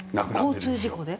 交通事故で？